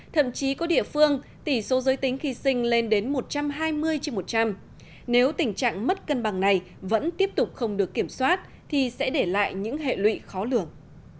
thậm chí có địa phương tỷ số giới tính khi sinh lên đến một trăm hai mươi trên một trăm linh nếu tình trạng mất cân bằng này vẫn tiếp tục không được kiểm soát thì sẽ để lại những hệ lụy khó lường